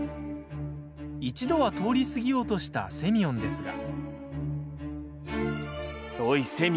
一度は通り過ぎようとしたセミヨンですが。